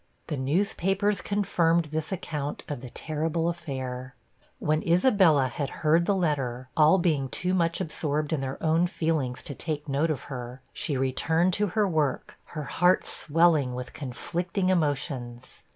The newspapers confirmed this account of the terrible affair. When Isabella had heard the letter, all being too much absorbed in their own feelings to take note of her, she returned to her work, her heart swelling with conflicting emotions.